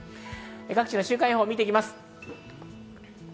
各地の週間予報を見ていきます。